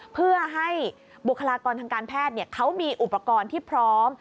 เพื่อให้บุคลากรทางการแพทย์เขามีอุปกรณ์ที่พร้อม